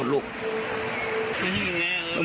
ขอบคุณครับ